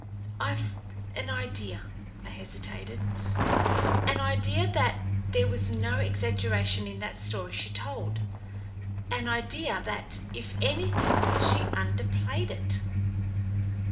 I've an idea" he hesitated "an idea that there was no exaggeration in that story she told an idea that if anything she underplayed it."